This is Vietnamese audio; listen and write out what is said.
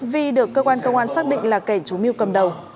vì được cơ quan công an xác định là kẻ chú miu cầm đầu